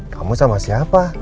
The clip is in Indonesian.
kamu sama siapa